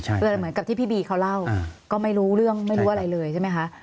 เหมือนกับที่พี่บีเขาเล่าก็ไม่รู้เรื่องไม่รู้อะไรเลยใช่ไหมคะ